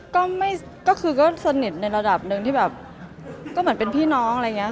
ก็คือก็สนิทในระดับหนึ่งที่แบบก็เหมือนเป็นพี่น้องอะไรอย่างนี้